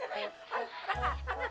tidak tenang nika